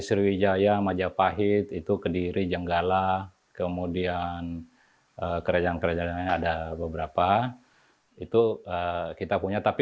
sriwijaya majapahit itu kediri jenggala kemudian kerajaan kerajaan lain ada beberapa itu kita punya tapi